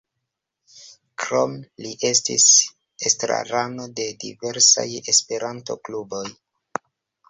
Krome li estis estrarano de diversaj Esperanto-kluboj.